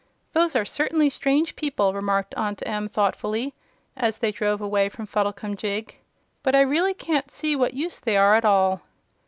"Those are certainly strange people," remarked Aunt Em, thoughtfully, as they drove away from Fuddlecumjig, "but I really can't see what use they are, at all."